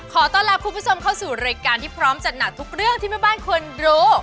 ขอต้อนรับคุณผู้ชมเข้าสู่รายการที่พร้อมจัดหนักทุกเรื่องที่แม่บ้านควรรู้